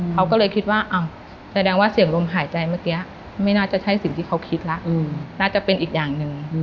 เขาก็เลยคิดว่าอ้าวแสดงว่าเสียงลมหายใจเมื่อกี้ไม่น่าจะใช่สิ่งที่เขาคิดแล้วน่าจะเป็นอีกอย่างหนึ่ง